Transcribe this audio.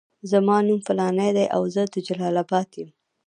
زما نوم فلانی دی او زه د جلال اباد یم.